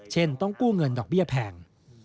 ต้องกู้เงินดอกเบี้ยแพง